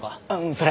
それ。